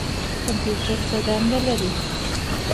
کمپیوټر څه دنده لري؟